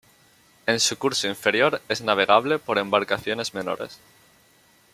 En su curso inferior es navegable por embarcaciones menores.